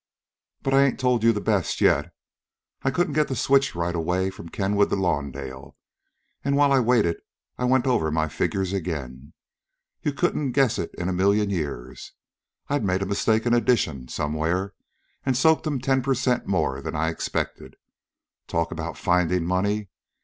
"But I ain't told you the best yet. I couldn't get the switch right away from Kenwood to Lawndale, and while I waited I went over my figures again. You couldn't guess it in a million years. I'd made a mistake in addition somewhere, an' soaked 'm ten per cent. more'n I'd expected. Talk about findin' money!